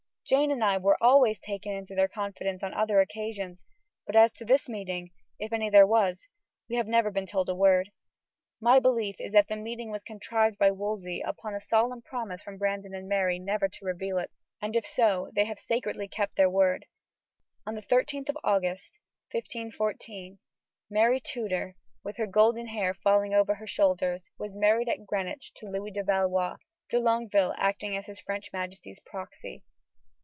Jane and I were always taken into their confidence on other occasions, but as to this meeting, if any there was, we have never been told a word. My belief is that the meeting was contrived by Wolsey upon a solemn promise from Brandon and Mary never to reveal it, and if so, they have sacredly kept their word. On the 13th of August, 1514, Mary Tudor, with her golden hair falling over her shoulders, was married at Greenwich to Louis de Valois; de Longueville acting as his French majesty's proxy.